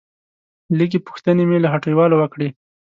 لږې پوښتنې مې له هټيوالو وکړې.